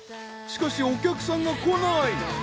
しかしお客さんが来ない。